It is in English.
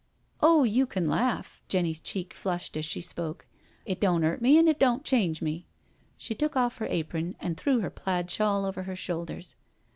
" Oh, you can laugh." Jenny's cheek flushed as she spoke. " It don't 'urt me and it don't change me.'* She took off her apron and threw her plaid shawl over her shoulders.